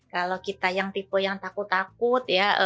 kalau kita yang tipe yang takut takut ya